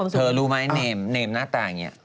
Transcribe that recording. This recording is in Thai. รู้ไหมเนมเนมหน้าตาอย่างนี้